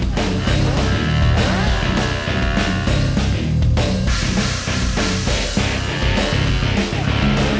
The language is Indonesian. apaan sih bangor banget trus dia